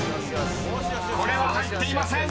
［これは入っていません］